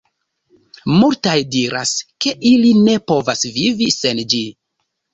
Multaj diras, ke ili ne povas vivi sen ĝi.